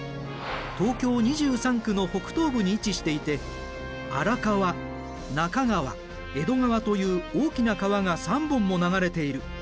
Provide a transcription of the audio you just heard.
東京２３区の北東部に位置していて荒川中川江戸川という大きな川が３本も流れている。